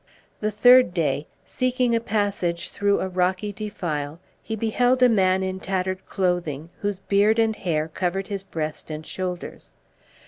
The third day, seeking a passage through a rocky defile, he beheld a man in tattered clothing, whose beard and hair covered his breast and shoulders.